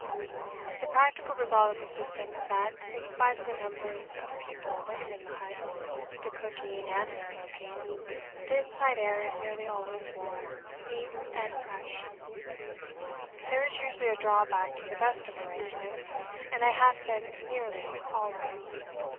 The practical result of the system is that in spite of the numbers of people living in the hut, the cooking, and the smoking, the inside air is nearly always warm, sweet, and fresh. There is usually a drawback to the best of arrangements, and I have said 'nearly' always.